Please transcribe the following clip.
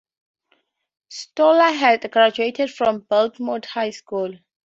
Stoller had graduated from Belmont High School.